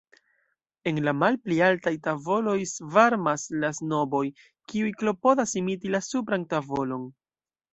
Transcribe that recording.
En la malpli altaj tavoloj svarmas la snoboj, kiuj klopodas imiti la supran tavolon.